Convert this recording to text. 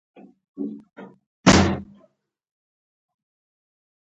د روغتیا وزارت د واکسینونو پروګرام پیل کړ.